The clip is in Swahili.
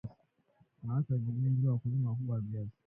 wanawake wa vijijini ndio wakulima wakubwa wa viazi